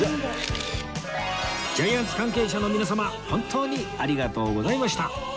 ジャイアンツ関係者の皆様本当にありがとうございました